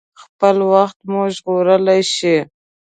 خپل وخت مو ژغورلی شئ.